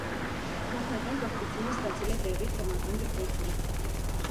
Նախնական կրթությունը ստացել է տեղի թեմական դպրոցում։